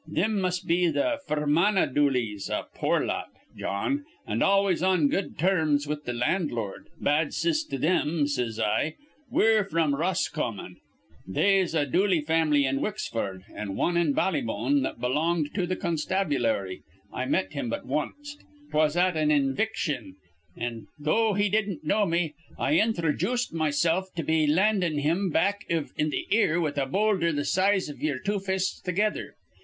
Thim must be th' Fermanagh Dooleys, a poor lot, Jawn, an' always on good terms with th' landlord, bad ciss to thim, says I. We're from Roscommon. They'se a Dooley family in Wixford an' wan near Ballybone that belonged to th' constabulary. I met him but wanst. 'Twas at an iviction; an', though he didn't know me, I inthrajooced mesilf be landin' him back iv th' ear with a bouldher th' size iv ye'er two fists together.